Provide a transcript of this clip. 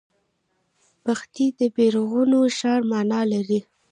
بخدي د بیرغونو ښار مانا لري